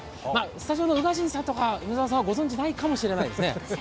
スタジオの宇賀神さんとか梅澤さんはご存じないかもしれないですね。